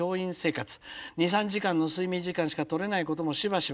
２３時間の睡眠時間しか取れないこともしばしば」。